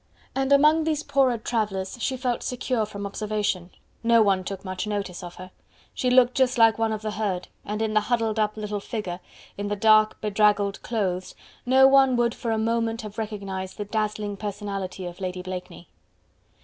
And among these poorer travellers she felt secure from observation. No one took much notice of her. She looked just like one of the herd, and in the huddled up little figure, in the dark bedraggled clothes, no one would for a moment have recognized the dazzling personality of Lady Blakeney.